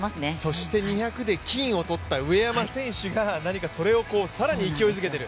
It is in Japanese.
そして２００で金をとった上山選手が何かそれを更に勢いづけている。